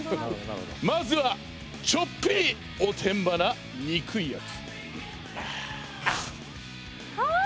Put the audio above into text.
まずはちょっぴりおてんばな憎いやつ。